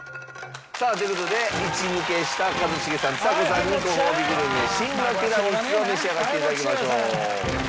さあという事でイチ抜けした一茂さんちさ子さんにごほうびグルメ真のティラミスを召し上がっていただきましょう。